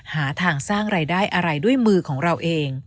หาทางสร้างรายได้อะไรด้วยมือของเราเอง